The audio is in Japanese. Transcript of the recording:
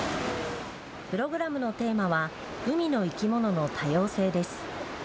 プログラムのテーマは海の生き物の多様性です。